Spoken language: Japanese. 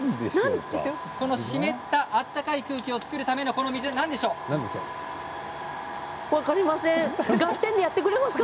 湿った暖かい空気を作るためのこの水何でしょうか。